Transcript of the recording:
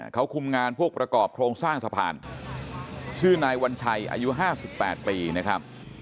เขาคุมงานพวกประกอบโครงสร้างสะพานชื่อนายวัญชัยอายุ๕๘ปีนะครับ